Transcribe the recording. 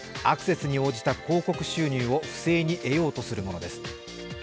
アクセスに応じた広告収入を不正に得ようとするものです。